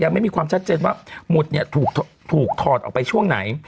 ไม่มีความชัดเจนว่าหมุดเนี่ยถูกถอดออกไปช่วงไหน